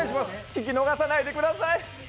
聞き逃さないでください。